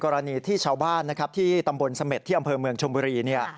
กรณีที่ชาวบ้านนะครับที่ตำบลเสม็ดที่อำเภอเมืองชมบุรี